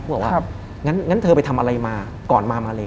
บอกว่างั้นเธอไปทำอะไรมาก่อนมามาเล